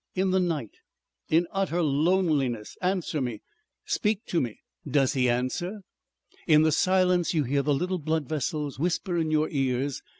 In the night. In utter loneliness. Answer me! Speak to me! Does he answer? In the silence you hear the little blood vessels whisper in your ears.